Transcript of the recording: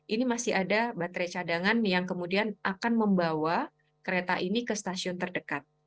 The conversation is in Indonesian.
ini masih ada baterai cadangan yang kemudian akan membawa kereta ini ke stasiun terdekat